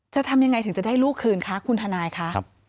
จะทำยังไงถึงจะได้ลูกคืนคะคุณทนายคะ